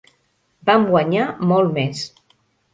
Vam guanyar molt més.